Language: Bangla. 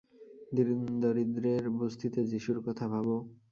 দীনদরিদ্রের বস্তিতে যীশুর কথা ভাবো।